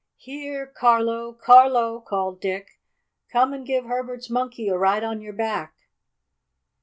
"Here, Carlo! Carlo!" called Dick. "Come and give Herbert's Monkey a ride on your back."